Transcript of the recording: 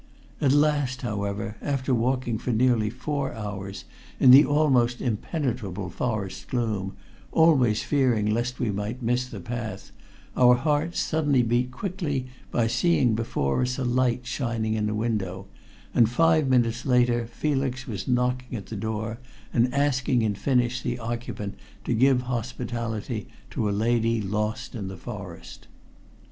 At last, however, after walking for nearly four hours in the almost impenetrable forest gloom, always fearing lest we might miss the path, our hearts suddenly beat quickly by seeing before us a light shining in a window, and five minutes later Felix was knocking at the door, and asking in Finnish the occupant to give hospitality to a lady lost in the forest.